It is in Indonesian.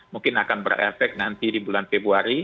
mungkin akan berefek nanti di bulan februari